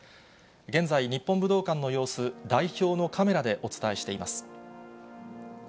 現在、日本武道館の様子、代表のカメラでお伝えしています。